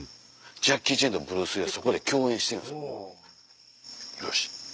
ジャッキー・チェンとブルース・リーはそこで共演してるんです。